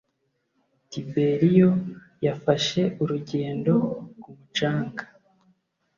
Tiberio yafashe urugendo ku mucanga.